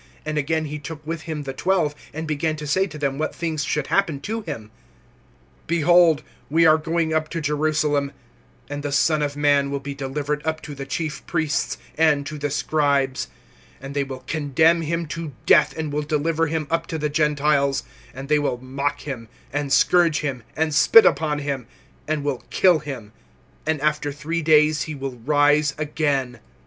And again he took with him the twelve, and began to say to them what things should happen to him: (33)Behold, we are going up to Jerusalem; and the Son of man will be delivered up to the chief priests, and to the scribes; and they will condemn him to death and will deliver him up to the Gentiles; (34)and they will mock him, and scourge him, and spit upon him, and will kill him; and after three days he will rise again.